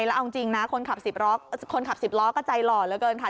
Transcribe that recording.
แล้วเอาจริงนะคนขับ๑๐ล้อก็ใจหล่อเหลือเกินค่ะ